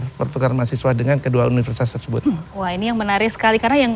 pertukaran mahasiswa dengan kedua universitas tersebut wah ini yang menarik sekali karena yang